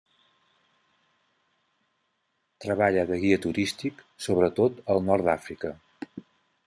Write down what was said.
Treballa de guia turístic, sobretot al nord d'Àfrica.